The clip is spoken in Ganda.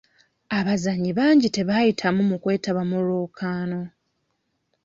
Abazannyi bangi tebaayitamu mu kwetaba mu lwokaano.